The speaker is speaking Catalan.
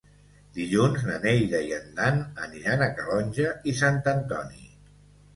Dilluns na Neida i en Dan aniran a Calonge i Sant Antoni.